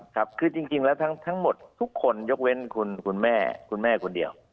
ครับคือจริงแล้วทั้งหมดทุกคนยกเว้นคุณแม่คุณแม่คนเดียว